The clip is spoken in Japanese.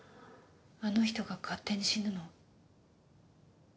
あの人が勝手に死ぬの。